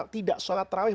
tidak sholat taraweh